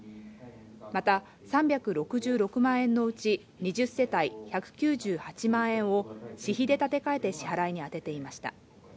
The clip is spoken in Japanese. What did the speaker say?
また、３６６万円のうち２０世帯１９８万円を私費で立て替えて支払いに充てていました。